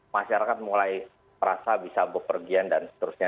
masyarakat mulai merasa bisa bepergian dan seterusnya